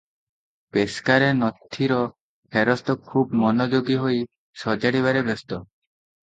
ପେସ୍କାରେ ନଥିର ଫେରସ୍ତ ଖୁବ୍ ମନଯୋଗୀ ହୋଇ ସଜାଡ଼ିବାରେ ବ୍ୟସ୍ତ ।